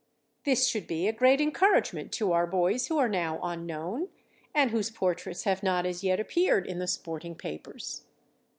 This should be a great encouragement to our boys who are now unknown, and whose portraits have not as yet appeared in the sporting papers.